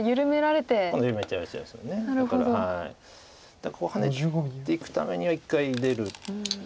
だからここハネていくためには一回出る。